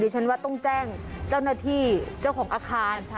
ฉันว่าต้องแจ้งเจ้าหน้าที่เจ้าของอาคาร